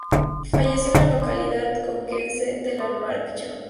Falleció en la localidad conquense de La Almarcha.